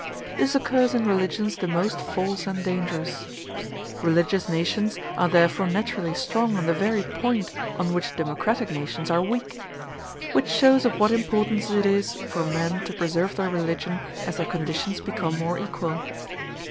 This occurs in religions the most false and dangerous. Religious nations are therefore naturally strong on the very point on which democratic nations are weak; which shows of what importance it is for men to preserve their religion as their conditions become more equal.